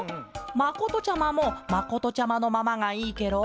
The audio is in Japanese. まことちゃまもまことちゃまのままがいいケロ？